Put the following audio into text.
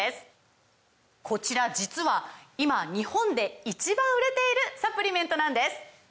こちら実は今日本で１番売れているサプリメントなんです！